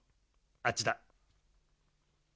あっちだ。